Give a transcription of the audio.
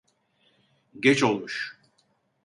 Geç olmuş.